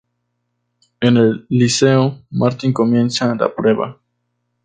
En el liceo, Martín comienza la prueba.